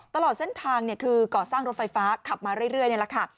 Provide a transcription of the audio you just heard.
ตลอดเส้นทางคือก่อสร้างรถไฟฟ้าขับมาเรื่อยนี่แหละค่ะ